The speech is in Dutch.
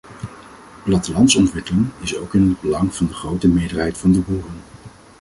Plattelandsontwikkeling is ook in het belang van de grote meerderheid van de boeren.